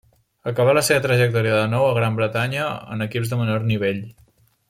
Acabà la seva trajectòria de nou a Gran Bretanya en equips de menor nivell.